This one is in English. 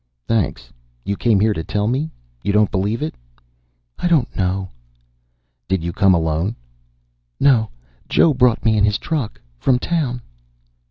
"Thanks. You came here to tell me? You don't believe it?" "I don't know." "Did you come alone?" "No. Joe brought me in his truck. From town."